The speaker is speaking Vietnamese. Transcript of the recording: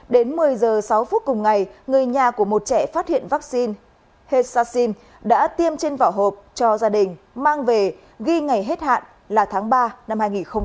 đến một mươi h sáu phút cùng ngày người nhà của một trẻ phát hiện vaccine hexaccin đã tiêm trên vỏ hộp cho gia đình mang về ghi ngày hết hạn là tháng ba năm hai nghìn hai mươi